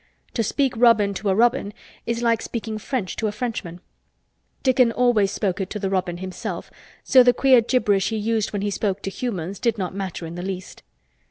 To speak robin to a robin is like speaking French to a Frenchman. Dickon always spoke it to the robin himself, so the queer gibberish he used when he spoke to humans did not matter in the least.